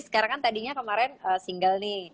sekarang kan tadinya kemarin single nih